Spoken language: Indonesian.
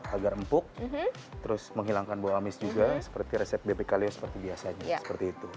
agar empuk terus menghilangkan bau amis juga seperti resep bebek kaleo seperti biasanya seperti itu